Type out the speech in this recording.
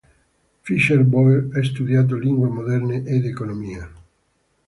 Fischer-Boel ha studiato lingue moderne ed economia.